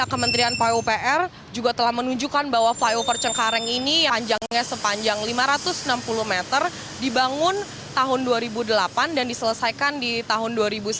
kementerian pupr juga telah menunjukkan bahwa flyover cengkareng ini panjangnya sepanjang lima ratus enam puluh meter dibangun tahun dua ribu delapan dan diselesaikan di tahun dua ribu sembilan belas